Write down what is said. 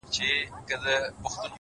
• سلا نه ورڅخه غواړي چي هوښیار وي ,